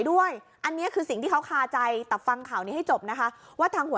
ด้วยอันนี้คือสิ่งที่เขาคาใจแต่ฟังข่าวนี้ให้จบนะคะว่าทางหัว